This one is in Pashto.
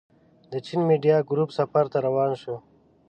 د چين ميډيا ګروپ سفر ته روان شوو.